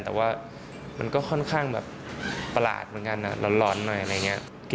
แต่ว่ามันก็ค่อนข้างแบบประหลาดเหมือนกันร้อนหน่อยอะไรอย่างนี้